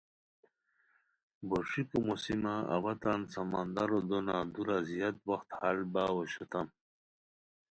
بوݰیکو موسمہ اوا تان سمندرو دونہ دُورہ زیاد وخت ہال باؤ اوشوتام